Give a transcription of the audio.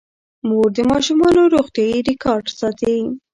مور د ماشومانو روغتیايي ریکارډ ساتي.